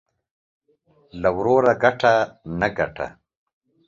له وروره گټه ، نه گټه.